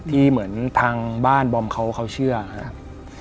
เหมือนทางบ้านบอมเขาเชื่อครับ